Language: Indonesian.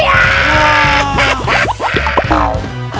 tarik tarik tarik